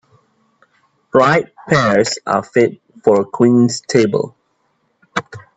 Ripe pears are fit for a queen's table.